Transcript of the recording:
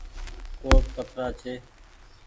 ڪوپ ڪترآ ڇي۔